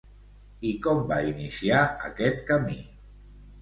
I com va iniciar aquest camí?